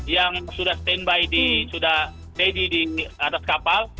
yang sudah standby sudah lady di atas kapal